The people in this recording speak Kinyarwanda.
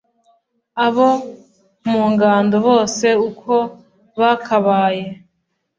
abo mu ngando bose uko bakabaye